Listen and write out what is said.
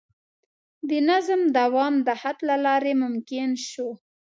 د نظم دوام د خط له لارې ممکن شو.